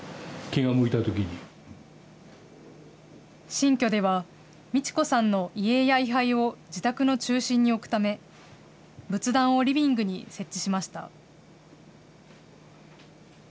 新居では、路子さんの遺影や位はいを自宅の中心に置くため、仏壇をリビングに設置しました。